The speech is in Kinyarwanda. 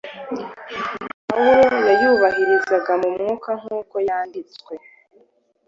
Pawulo yayubahirizaga mu mwuka nk’uko yanditswe.